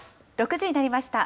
６時になりました。